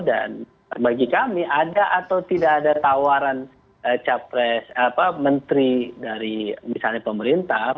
dan bagi kami ada atau tidak ada tawaran menteri dari misalnya pemerintah